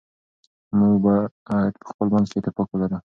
موږ باید په خپل منځ کي اتفاق ولرو.